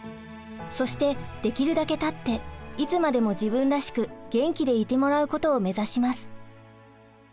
そしてできるだけ立っていつまでも自分らしく元気でいてもらうことを目指します。